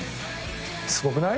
すごくない？